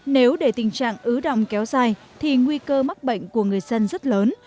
nếu để tình trạng ứ động kéo dài thì nguy cơ mắc bệnh của người dân rất lớn